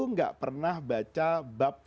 nggak pernah baca bab